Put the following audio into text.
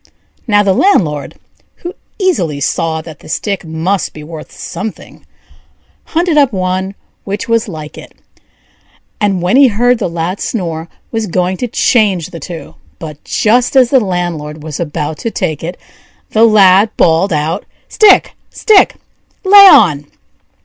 Now the landlord, who easily saw that the stick must be worth something, hunted up one which was like it, and when he heard the lad snore, was going to change the two; but, just as the landlord was about to take it, the Lad bawled out: "Stick, stick! lay on!"